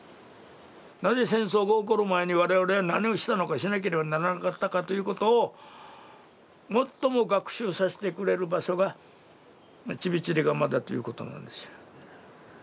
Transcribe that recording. なぜ戦争が起こる前に我々が何をしたのか、しなければならなかったということを最も学習させてくれる場所がチビチリガマだということなんですよ。